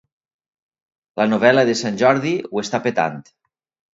La novel·la de Sant Jordi ho està petant.